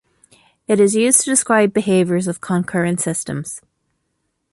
It is used to describe behaviours of concurrent systems.